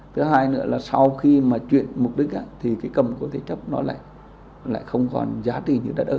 thứ hai sau khi chuyển mục đích cầm cố thế chấp lại không còn giá trị